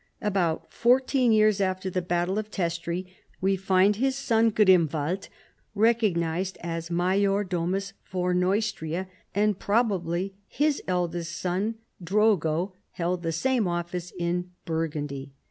About fourteen years after the battle of Testri we find his son Grimwald recognized Si^major domus for Neustria and probably his eldest son Drogo held the same office in Burgundy.